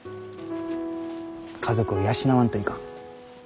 家族を養わんといかん。